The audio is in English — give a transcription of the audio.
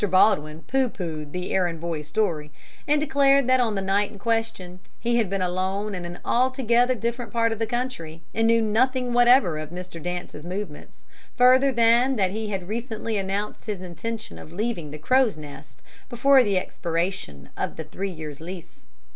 Baldwin pooh poohed the errand boy's story, and declared that, on the night in question, he had been alone in an altogether different part of the county, and knew nothing whatever of Mr. Dance's movements, further than that he had recently announced his intention of leaving the Crow's Nest before the expiration of the three years' lease.